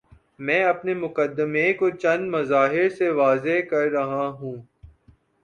میں اپنے مقدمے کو چند مظاہر سے واضح کر رہا ہوں۔